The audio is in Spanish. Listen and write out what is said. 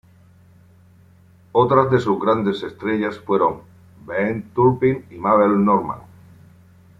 Otras de sus grandes estrellas fueron Ben Turpin y Mabel Normand.